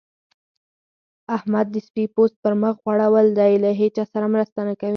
احمد د سپي پوست پر مخ غوړول دی؛ له هيچا سره مرسته نه کوي.